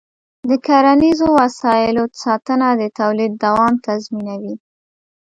د کرنيزو وسایلو ساتنه د تولید دوام تضمینوي.